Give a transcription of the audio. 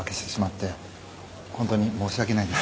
ホントに申し訳ないです。